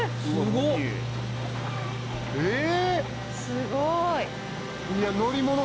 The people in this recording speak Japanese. すごい！